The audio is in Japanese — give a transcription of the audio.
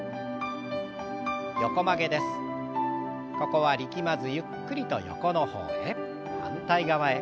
ここは力まずゆっくりと横の方へ。